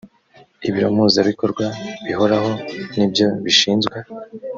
ibiro mpuzabikorwa bihoraho ni byo bishinzwe